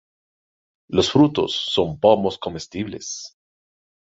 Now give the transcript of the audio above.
Los frutos son pomos comestibles.